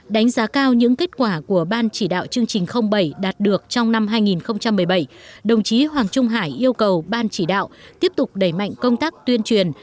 đánh giá cao những kết quả của ban chỉ đạo chương trình bảy đạt được trong năm hai nghìn một mươi bảy đồng chí hoàng trung hải yêu cầu ban chỉ đạo tiếp tục đẩy mạnh công tác tuyên truyền